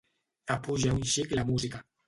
Apuja un xic la música.